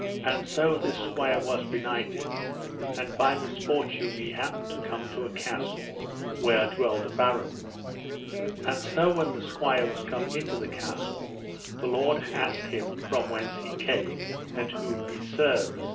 And so this squire was benighted, and by misfortune he happened to come to a castle where dwelled a baron. And so when the squire was come into the castle, the lord asked him from whence he came, and whom he served.